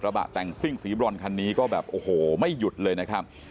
บะแต่งซิ่งสีบรอนคันนี้ก็แบบโอ้โหไม่หยุดเลยนะครับ